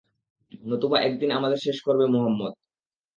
নতুবা একদিন আমাদের শেষ করবে মুহাম্মাদ।